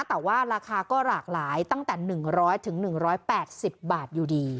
แต่ว่าราคาก็หลากหลายตั้งแต่๑๐๐๑๘๐บาทอยู่ดี